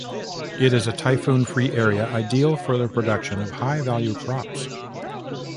It is a typhoon-free area ideal for the production of high value crops.